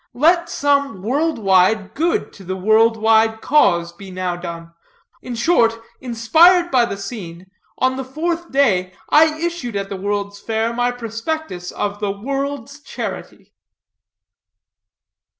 Let some world wide good to the world wide cause be now done. In short, inspired by the scene, on the fourth day I issued at the World's Fair my prospectus of the World's Charity."